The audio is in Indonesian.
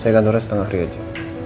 saya kantornya setengah hari aja